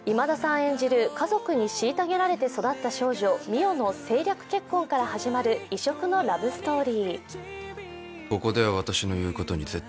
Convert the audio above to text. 演じる家族に虐げられて育った美世の政略結婚から始まる異色のラブストーリー。